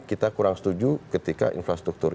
kita kurang setuju ketika infrastruktur